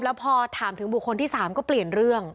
บางทีถามถึงลูกคนที่สามเขาก็เปลี่ยนเรื่อง